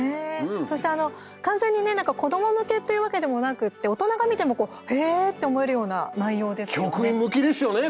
そして完全にね子ども向けというわけでもなくて大人が見ても、へえって思えるような内容ですよね。